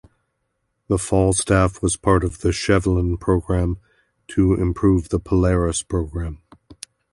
The Falstaff was part of the Chevaline programme to improve the Polaris programme.